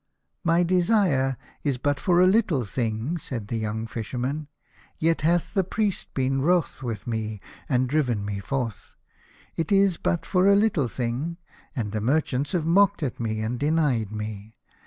" My desire is but for a little thing," said the young Fisherman, " yet hath the priest been wroth with me, and driven me forth. It is but for a little thing, and the merchants have mocked at me, and denied me.